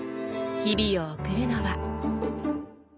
日々を送るのは。